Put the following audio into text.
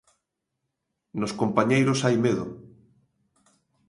Nos compañeiros hai medo.